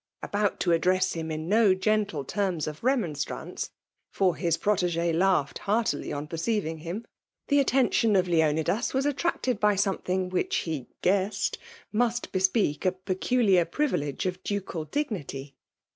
About to address him in no gentle terms c£ remonstnuiee, (for his protege laughed heartily on perceiving him,) tiie atten tion of Lennidas was attracted by something whidi be '^ guessed '* must bespeak a peoulur privilege of ducal dignity.